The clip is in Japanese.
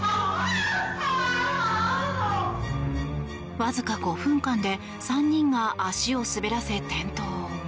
わずか５分間で３人が足を滑らせ、転倒。